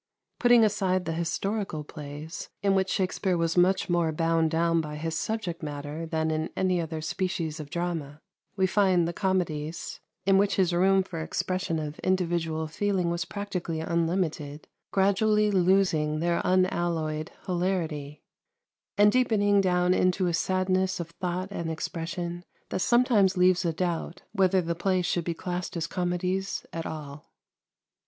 Putting aside the historical plays, in which Shakspere was much more bound down by his subject matter than in any other species of drama, we find the comedies, in which his room for expression of individual feeling was practically unlimited, gradually losing their unalloyed hilarity, and deepening down into a sadness of thought and expression that sometimes leaves a doubt whether the plays should be classed as comedies at all.